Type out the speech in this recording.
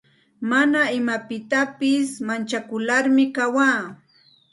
Mana imapitasi manchakularmi kawaa.